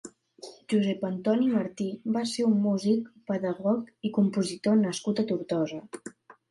Josep Antoni Martí va ser un músic, pedagog i compositor nascut a Tortosa.